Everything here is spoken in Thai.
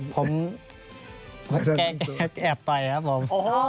ผมแอบต่อยครับผม